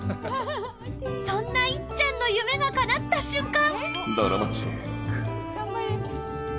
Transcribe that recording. そんないっちゃんの夢がかなった瞬間